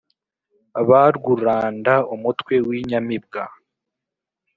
barwuranda umutwe w’inyamibwa